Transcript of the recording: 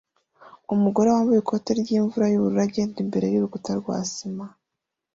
Umugore wambaye ikoti ryimvura yubururu agenda imbere yurukuta rwa sima